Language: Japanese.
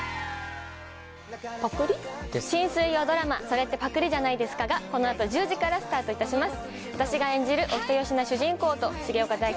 新水曜ドラマ『それってパクリじゃないですか？』がこの後１０時からスタートいたします。